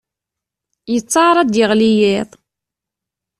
Yettaɛar ad d-yeɣli yiḍ.